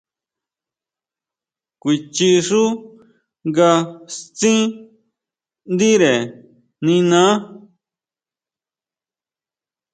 Kuichi xú nga stsin ndire niná.